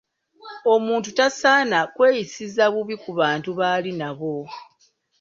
Omuntu tasaana kweyisiza bubi ku bantu baali nabo.